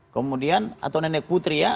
kemudian atau nenek putri ya